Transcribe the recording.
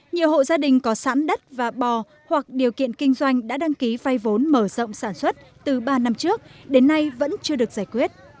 nhiều hộ gia đình có sẵn đất và bò hoặc điều kiện kinh doanh đã đăng ký phay vốn mở rộng sản xuất từ ba năm trước đến nay vẫn chưa được giải quyết